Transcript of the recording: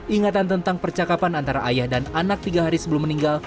ingatan tentang percakapan antara ayah dan anak tiga hari sebelum meninggal